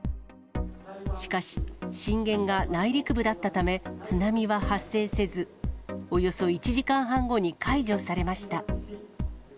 しかし、震源が内陸部だったため、津波は発生せず、およそ１時間半後に解除されました。